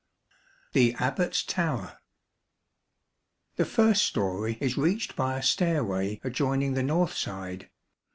The Abbat's Tower. The first storey is reached by a stairway adjoining the north side.